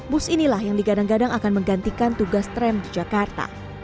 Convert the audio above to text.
bus inilah yang digadang gadang akan menggantikan tugas tram di jakarta